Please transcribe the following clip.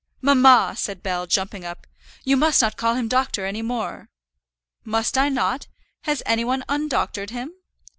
"Mamma," said Bell, jumping up, "you must not call him doctor any more." "Must I not? Has any one undoctored him?"